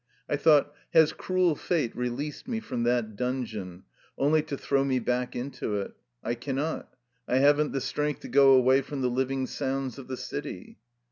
I thought: "Has cruel fate re leased me from that dungeon, only to throw me back into it? I cannot; I haven't the strength to go away from the living sounds of the city."